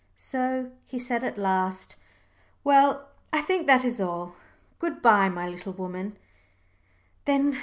So he said at last, "Well, I think that is all. Good bye, my little woman, then.